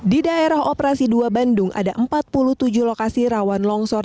di daerah operasi dua bandung ada empat puluh tujuh lokasi rawan longsor